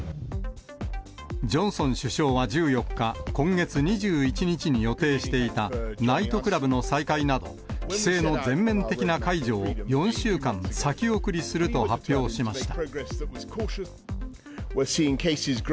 ジョンソン首相は１４日、今月２１日に予定していたナイトクラブの再開など、規制の全面的な解除を４週間先送りすると発表しました。